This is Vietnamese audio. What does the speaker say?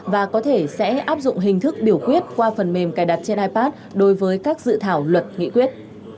và có thể sẽ áp dụng hình thức biểu quyết qua phần mềm cài đặt trên ipad đối với các dự thảo luật nghị quyết